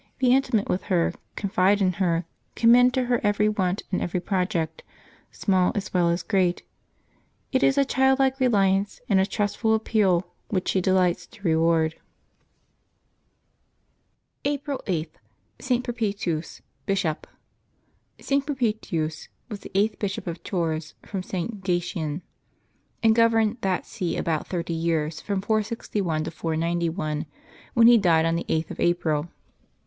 Be intimate with her; confide in her; commend to her every want and every project, small as well as great. It is a childlike reliance and a trustful ap peal which she delights to reward. April 8.— ST. PERPETUUS, Bishop. @T. Perpetuus was the eighth Bishop of Tours from St. Gatian, and governed that see above thirty years, from 461 to 491, when he died on the 8th of April.